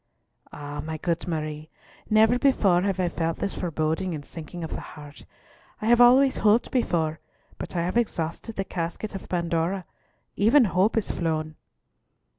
"Ah, my good Marie, never before have I felt this foreboding and sinking of the heart. I have always hoped before, but I have exhausted the casket of Pandora. Even hope is flown!"